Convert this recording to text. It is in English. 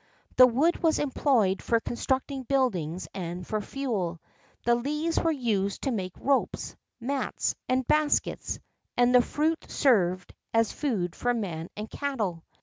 The wood was employed for constructing buildings and for fuel; the leaves were used to make ropes, mats, and baskets; and the fruit served as food for man and cattle.